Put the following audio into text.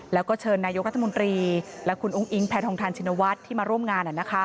แล้วก็เชิญนายกรัฐมนตรีและคุณอุ้งอิงแพทองทานชินวัฒน์ที่มาร่วมงาน